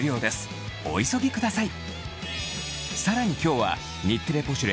お急ぎください